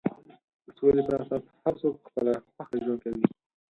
د سولې پر اساس هر څوک په خپله خوښه ژوند کوي.